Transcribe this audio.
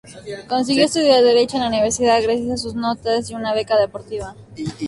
Consiguió estudiar Derecho en la universidad gracias a sus notas y una beca deportiva.